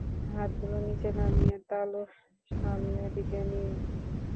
হাতগুলো নিচে নামিয়ে, তালু সামনেদিকে নিয়ে।